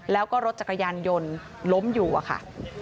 แล้วก็รถจักรยานยนต์ล้มอยู่อะค่ะ